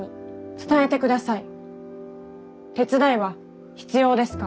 手伝いは必要ですか？